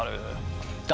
誰？